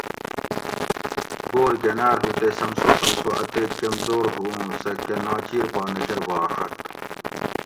بور گۤناۤر ہو تے سمسو سمسو اتیک کمزور ہو اوُں سہ کہۤ ناچیر پا نہ کرۤباڛت